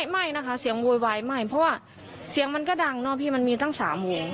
ไม่นะคะเสียงโวยวายไม่เพราะว่าเสียงมันก็ดังเนาะพี่มันมีตั้ง๓วง